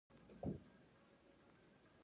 درملو د سوداګرۍ انحصار هڅې یې پیل کړې.